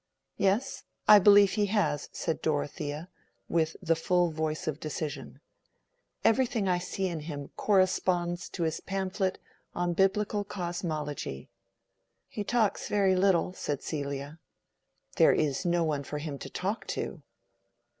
"Yes, I believe he has," said Dorothea, with the full voice of decision. "Everything I see in him corresponds to his pamphlet on Biblical Cosmology." "He talks very little," said Celia "There is no one for him to talk to."